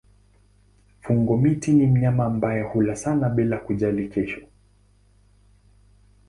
Fungo-miti ni mnyama ambaye hula sana bila kujali kesho.